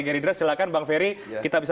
gerindra silahkan bang ferry kita bisa